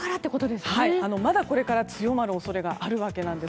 まだこれから強まる恐れがあるわけなんです。